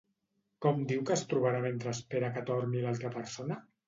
Com diu que es trobarà mentre espera que torni l'altra persona?